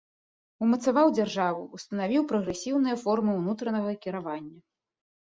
Умацаваў дзяржаву, устанавіў прагрэсіўныя формы ўнутранага кіравання.